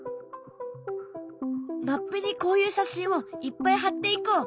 マップにこういう写真をいっぱい貼っていこう。